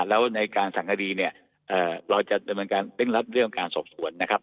แล้วในการสั่งคดีเนี่ยเราจะดำเนินการเร่งรัดเรื่องการสอบสวนนะครับ